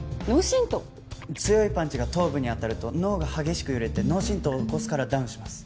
強いパンチが頭部に当たると脳が激しく揺れて脳震盪を起こすからダウンします。